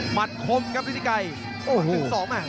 หมัดครมครับฤทธิกาย